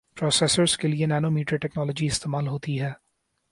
processors کے لئے nanometer technology استعمال ہوتی ہے